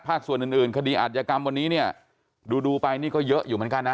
ส่วนอื่นอื่นคดีอาจยกรรมวันนี้เนี่ยดูดูไปนี่ก็เยอะอยู่เหมือนกันนะ